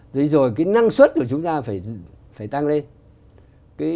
thế rồi cái năng suất của chúng ta phải tăng lên